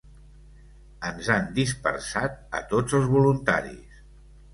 Ens han dispersat a tots els voluntaris.